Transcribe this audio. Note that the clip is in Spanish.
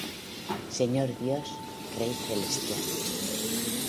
Señor Dios, Rey celestial,